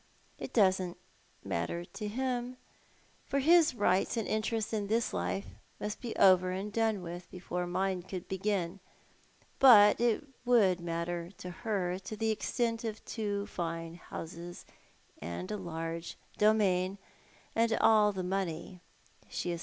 It doesn't matter to him, for his rights and interests in this life must be over and done with before mine could begin ; but it would matter to her to the extent of two fine houses, and a large domain, and nil the money she has